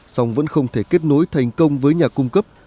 song vẫn không thể kết nối thành công với nhà cung cấp